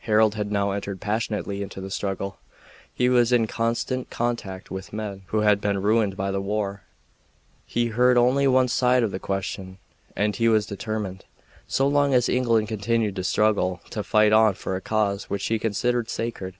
Harold had now entered passionately into the struggle. He was in constant contact with men who had been ruined by the war. He heard only one side of the question, and he was determined, so long as England continued the struggle, to fight on for a cause which he considered sacred.